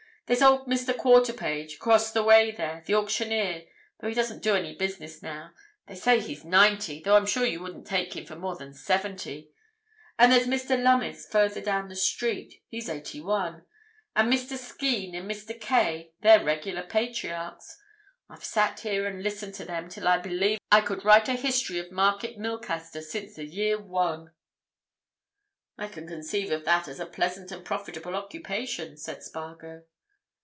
"There's old Mr. Quarterpage, across the way there, the auctioneer, though he doesn't do any business now—they say he's ninety, though I'm sure you wouldn't take him for more than seventy. And there's Mr. Lummis, further down the street—he's eighty one. And Mr. Skene, and Mr. Kaye—they're regular patriarchs. I've sat here and listened to them till I believe I could write a history of Market Milcaster since the year One." "I can conceive of that as a pleasant and profitable occupation," said Spargo.